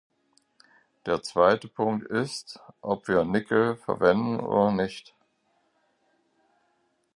Der zweite Punkt ist, ob wir Nickel verwenden oder nicht.